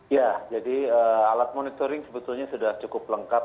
ya jadi alat monitoring sebetulnya sudah cukup lengkap